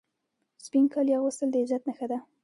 سپین کالي اغوستل د عزت نښه ده.